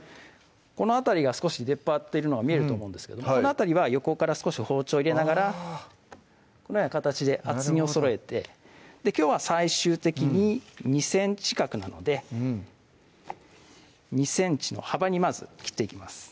この辺りが少し出っ張ってるのが見えると思うんですけどもこの辺りは横から少し包丁入れながらこのような形で厚みをそろえてきょうは最終的に２ｃｍ角なので２ｃｍの幅にまず切っていきます